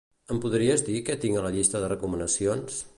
Em pots dir què tinc a la llista de recomanacions?